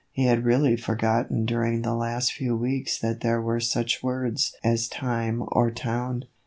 He had really for gotten during the last few weeks that there were such words as time or town.